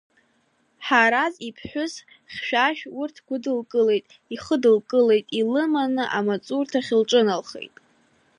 Ҳараз иԥҳәыс Хьшәашә урҭ гәыдылкылеит, ихыдылкылеит, илыманы амаҵурҭахь лҿыналхеит.